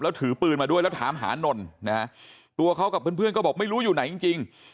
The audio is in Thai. แล้วถือปืนมาด้วยแล้วถามหานนนะฮะตัวเขากับเพื่อนก็บอกไม่รู้อยู่ไหนจริง